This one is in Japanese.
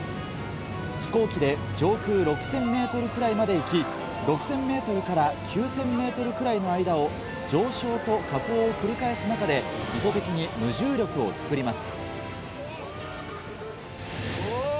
飛行機で上空６０００ｍくらいまで行き、６０００ｍから９０００ｍくらいの間を上昇と下降を繰り返す中で意図的に無重力を作ります。